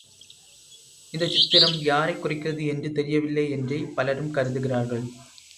இந்தச் சித்திரம் யாரைக் குறிக்கிறது என்று தெரியவில்லை என்றே பலரும் கருதுகிறார்கள்.